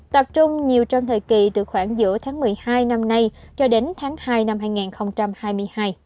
tập trung nhiều trong thời kỳ từ khoảng giữa tháng một mươi hai năm nay cho đến tháng hai năm hai nghìn hai mươi hai